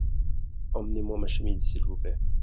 Emmenez-moi ma chemise s'il vous plait.